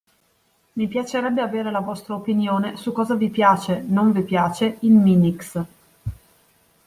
Mi piacerebbe avere la vostra opinione su cosa vi piace/non vi piace in Minix.